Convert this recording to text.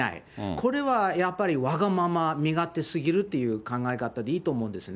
これはやっぱりわがまま、身勝手すぎるっていう考え方でいいと思うんですね。